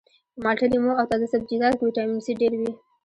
په مالټه لیمو او تازه سبزیجاتو کې ویټامین سي ډیر وي